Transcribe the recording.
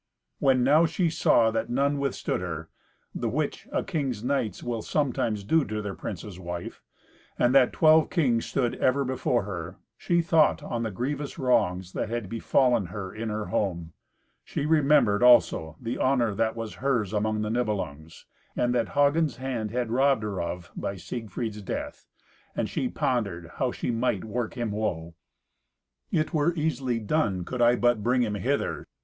When now she saw that none withstood her (the which a king's knights will sometimes do to their prince's wife), and that twelve kings stood ever before her, she thought on the grievous wrongs that had befallen her in her home. She remembered also the honour that was hers among the Nibelungs, and that Hagen's hand had robbed her of by Siegfried's death, and she pondered how she might work him woe. "It were easily done, could I but bring him hither."